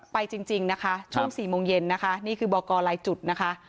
จริงนะคะช่วง๔โมงเย็นนะคะนี่คือบอกกรลายจุดนะคะ